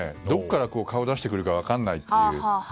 どこから顔を出してくるか分からないという。